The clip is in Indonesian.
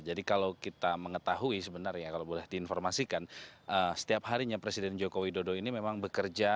kalau kita mengetahui sebenarnya kalau boleh diinformasikan setiap harinya presiden joko widodo ini memang bekerja